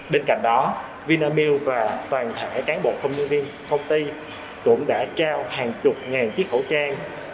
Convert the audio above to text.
bên cạnh đó vinamilk và toàn thể cán bộ công nhân viên công ty cũng đã trao hàng chục ngàn chiếc khẩu trang